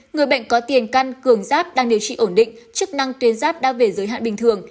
người bệnh có tiền căn cường giáp đang điều trị ổn định chức năng tuyến giáp đã về giới hạn bình thường